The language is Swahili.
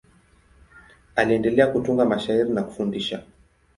Aliendelea kutunga mashairi na kufundisha.